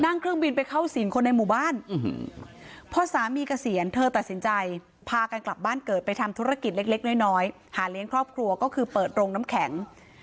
นั่งเครื่องบินไปเข้าศิลป์คนในหมู่บ้าน